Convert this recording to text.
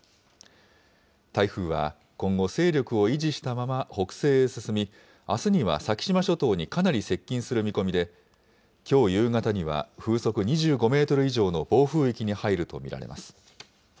台風は今後、勢力を維持したまま北西へ進み、あすには先島諸島にかなり接近する見込みで、きょう夕方には風速２５メートル以上の暴風域に入ると見られます。